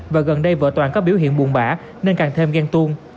và gần đây vợ toàn có biểu hiện buồn bã nên càng thêm ghen tuông